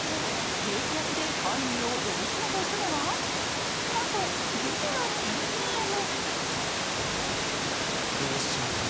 刑事役で犯人を追い詰めていくのは、なんと、グミの新ＣＭ。